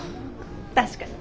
確かに。